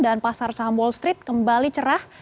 dan pasar saham wall street kembali cerah